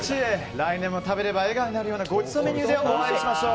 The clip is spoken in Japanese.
来年も食べれば笑顔になるようなごちそうメニューでお会いしましょう。